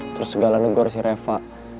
terus segala negor sih reva